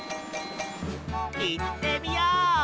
いってみよう！